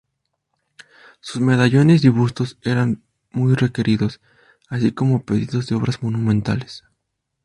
Su medallones y bustos eran muy requeridos, así como pedidos de obras monumentales.